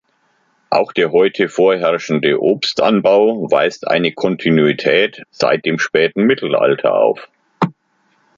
Auch der heute vorherrschende Obstanbau weist eine Kontinuität seit dem späten Mittelalter auf.